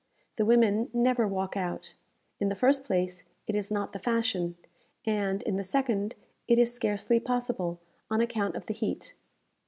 The women never walk out. In the first place, it is not the fashion; and, in the second, it is scarcely possible, on account of the heat.